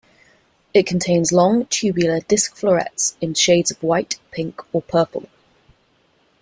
It contains long, tubular disc florets in shades of white, pink, or purple.